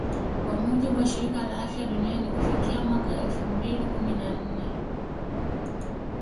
Kwa mujibu wa Shirika la Afya Duniani kufikia mwaka elfu mbili kumi na nne